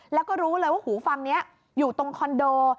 แล้วก็รู้เลยว่าหูฟังนี้อยู่ตรงคอนโด